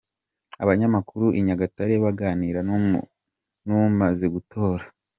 Abanyamakuru i Nyagatare baganira n’umaze gutora